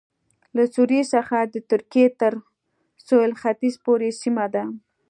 له سوریې څخه د ترکیې تر سوېل ختیځ پورې سیمه ده